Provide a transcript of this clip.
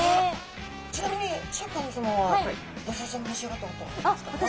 ちなみにシャーク香音さまはドジョウちゃんを召し上がったことはあるんですか？